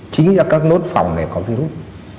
chính là các nốt phòng này có virus